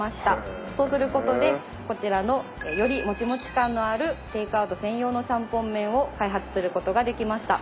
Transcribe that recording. そうすることでこちらのよりモチモチ感のあるテイクアウト専用のちゃんぽん麺を開発することができました。